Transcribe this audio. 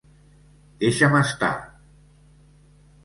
Deixa'm estar!